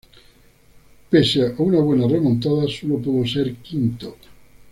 Pese a una buena remontada, sólo pudo ser quinto.